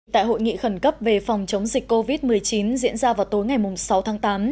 tại hội nghị khẩn cấp về phòng chống dịch covid một mươi chín diễn ra vào tối ngày sáu tháng tám